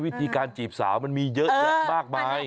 วิธีการจีบสาวมีเยอะมากมาย